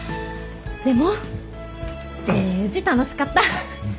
でもデージ楽しかった！